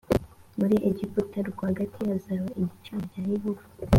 muri egiputa rwagati hazaba igicaniro cya yehova